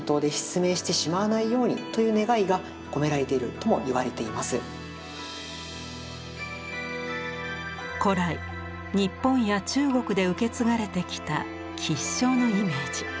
このように古来日本や中国で受け継がれてきた吉祥のイメージ。